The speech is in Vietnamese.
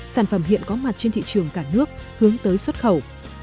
sản phẩm hiện có mặt trên thị trường cả nước hướng tới xuất khẩu